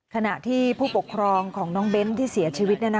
ขณะที่ผู้ปกครองของน้องเบ้นที่เสียชีวิต